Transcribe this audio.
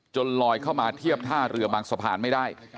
ลอยเข้ามาเทียบท่าเรือบางสะพานไม่ได้